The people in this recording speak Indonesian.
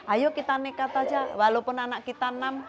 ayo kita nekat saja walaupun anak kita enam